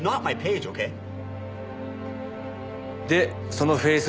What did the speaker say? でそのフェイス